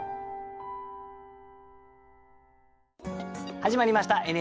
始まりました「ＮＨＫ俳句」。